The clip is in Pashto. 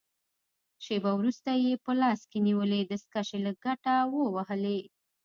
شېبه وروسته يې په لاس کې نیولې دستکشې له کټه ووهلې.